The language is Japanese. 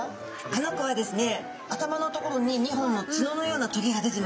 あの子はですね頭の所に２本の角のようなとげが出てますね。